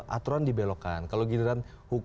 aturan dibelokkan kalau giliran